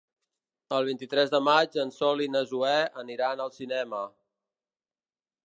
El vint-i-tres de maig en Sol i na Zoè aniran al cinema.